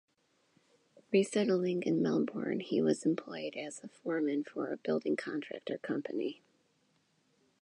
Re-settling in Melbourne, he was employed as a foreman for a building contractor company.